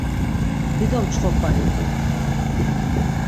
Dido mçxopa iqu.